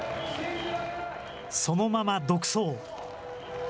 そのまま独走。